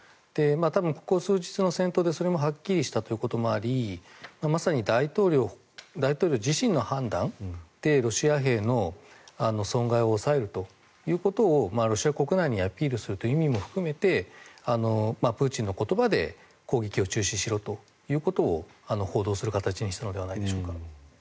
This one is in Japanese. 多分、ここ数日の戦闘でそれもはっきりしたということもありまさに大統領自身の判断でロシア兵の損害を抑えるということをロシア国内にアピールするという意味も含めてプーチンの言葉で攻撃を中止しろということを報道する形にしたのではないでしょうか。